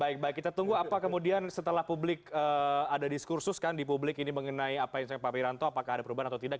baik baik kita tunggu apa kemudian setelah publik ada diskursus kan di publik ini mengenai apa yang disampaikan pak wiranto apakah ada perubahan atau tidak